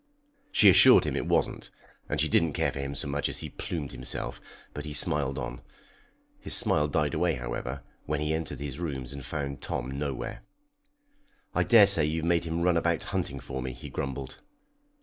She assured him it wasn't, and she didn't care for him so much as he plumed himself, but he smiled on. His smile died away, however, when he entered his rooms and found Tom nowhere. "I daresay you've made him run about hunting for me," he grumbled.